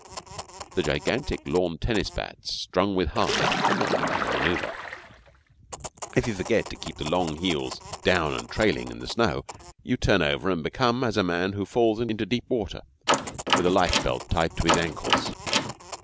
The gigantic lawn tennis bats strung with hide are not easy to manoeuvre. If you forget to keep the long heels down and trailing in the snow you turn over and become as a man who fails into deep water with a life belt tied to his ankles.